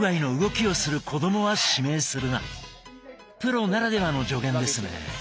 プロならではの助言ですね。